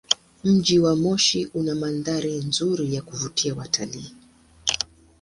Mji wa Moshi una mandhari nzuri ya kuvutia watalii.